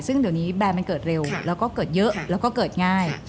ซึ่งเดี๋ยวนี้แบรนด์มันเกิดเร็วแล้วก็เกิดเยอะแล้วก็เกิดง่าย